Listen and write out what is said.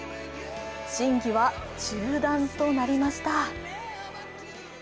審議は中断となりました。